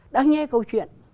đã nghe câu chuyện